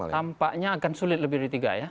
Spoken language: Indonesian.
tampaknya akan sulit lebih dari tiga ya